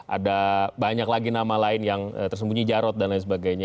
ada banyak lagi nama lain yang tersembunyi jarod dan lain sebagainya